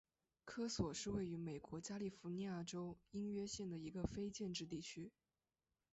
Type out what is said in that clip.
科索是位于美国加利福尼亚州因约县的一个非建制地区。